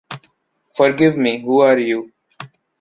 Forgive me, who are you?